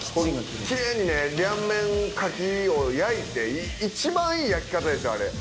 きれいにねリャンメン牡蠣を焼いて一番いい焼き方ですよあれ。